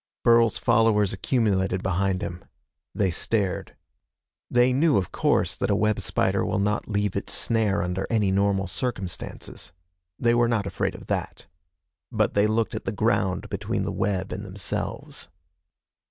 Burl's followers accumulated behind him. They stared. They knew, of course, that a web spider will not leave its snare under any normal circumstances. They were not afraid of that. But they looked at the ground between the web and themselves.